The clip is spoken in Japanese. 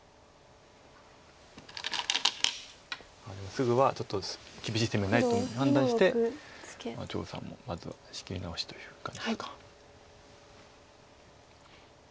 すぐはちょっと厳しい攻めないと判断して張栩さんもまずは仕切り直しという感じですか。